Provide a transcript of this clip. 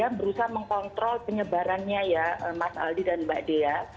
dan dia berusaha mengkontrol penyebarannya ya mas aldi dan mbak dea